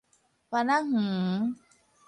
歡仔園